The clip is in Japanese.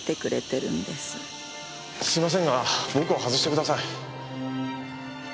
すいませんが僕を外してください。